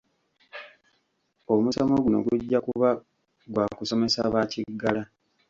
Omusomo guno gujja kuba gwa kusomesa ba kiggala .